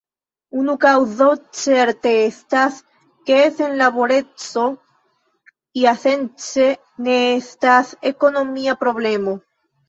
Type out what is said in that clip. Unu kaŭzo certe estas, ke senlaboreco iasence ne estas ekonomia problemo.